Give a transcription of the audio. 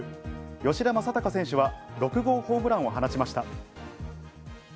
吉田正尚選手は６号ホームランを放ちました。